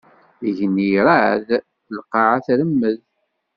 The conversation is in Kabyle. Igenni iṛeɛɛed, lqaɛa tremmed.